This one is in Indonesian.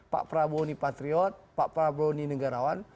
pak prabowo ini patriot pak prabowo ini negarawan